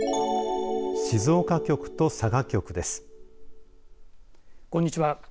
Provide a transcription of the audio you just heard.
静岡局と佐賀局です。